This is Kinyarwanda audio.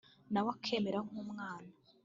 nawe akamera nk’umwana